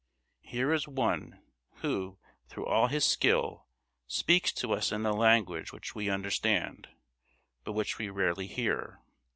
Here is one who through all his skill speaks to us in a language which we understand, but which we rarely hear.